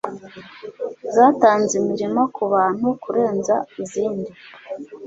zatanze imirimo ku bantu kurenza izindi